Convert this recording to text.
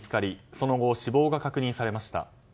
その後、死亡が確認されました。